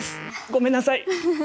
ごめんなさい。